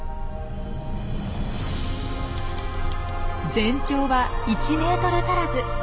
全長は１ｍ足らず。